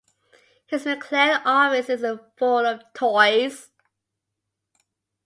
His McLaren office is full of toys.